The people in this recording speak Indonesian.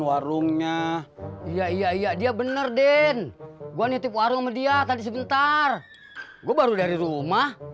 warungnya iya iya dia bener den gua nitip warung sama dia tadi sebentar gue baru dari rumah